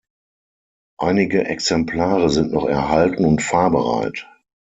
Einige Exemplare sind noch erhalten und fahrbereit.